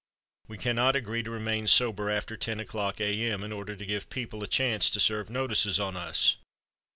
We cannot agree to remain sober after ten o'clock a. m. in order to give people a chance to serve notices on us.